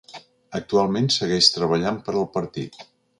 Actualment segueix treballant per al partit.